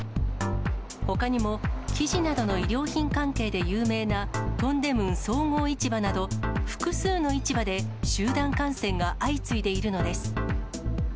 ほかにも生地などの衣料品関係で有名なトンデムン総合市場など、複数の市場で集団感染が相次いでいるのです。